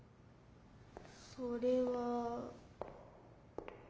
それは。